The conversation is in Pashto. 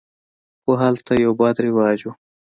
خو هلته یو بد رواج و.